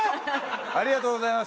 ありがとうございます。